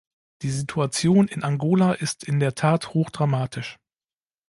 Die Situation in Angola ist in der Tat hochdramatisch.